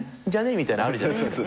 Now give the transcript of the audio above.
みたいなあるじゃないですか。